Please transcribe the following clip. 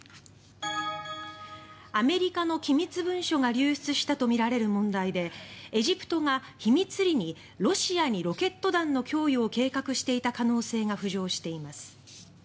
アメリカの機密文書が流出したとみられる問題でエジプトが秘密裏にロシアにロケット弾の供与を計画していた可能性が浮上しています。